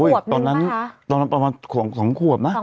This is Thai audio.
อุ้้ยตอนนั้นปราเป็น๒ขวบนะ